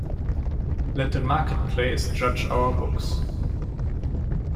Let the marketplace judge our books.